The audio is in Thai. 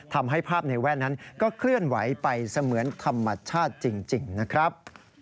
ทำให้ภาพในแว่นนั้นก็เคลื่อนไหวไปเสมือนธรรมชาติจริงนะครับ